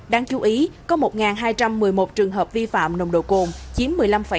đáng chú ý có một hai trăm một mươi một trường hợp vi phạm nồng độ cồn chiếm một mươi năm sáu